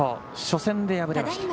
初戦で敗れました。